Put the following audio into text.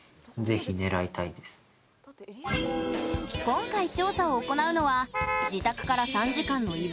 今回、調査を行うのは自宅から３時間の伊吹山。